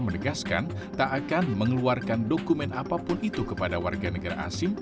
menegaskan tak akan mengeluarkan dokumen apapun itu kepada warga negara asing